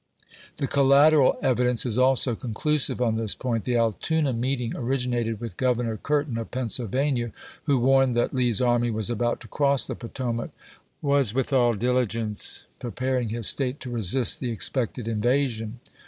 The collateral evidence is also conclusive on this point. The Altoona meeting originated with Grov ernor Curtin of Pennsylvania, who, warned that Lee's army was about to cross the Potomac, was with all diligence preparing his State to resist the expected invasion.